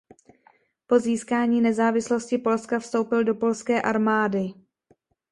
Po získání nezávislosti Polska vstoupil do polské armády.